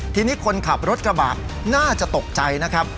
ทีนี้คนขับรถกระบะน่าจะตกใจนะครับ